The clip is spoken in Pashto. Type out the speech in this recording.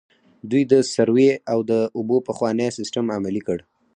دوی د سروې او د اوبو پخوانی سیستم عملي کړ.